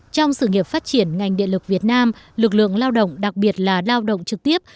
trong sự nghiệp phát triển ngành điện lực việt nam lực lượng lao động đặc biệt là lao động trực tiếp